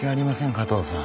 加藤さん。